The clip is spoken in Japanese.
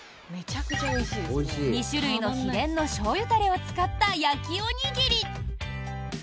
２種類の秘伝のしょうゆタレを使った焼きおにぎり。